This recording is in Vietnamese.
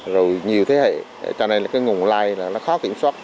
rồi nhiều thế hệ cho nên là cái nguồn like nó khó kiểm soát